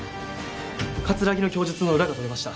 葛城の供述の裏が取れました。